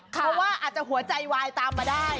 เพราะว่าอาจจะหัวใจวายตามมาได้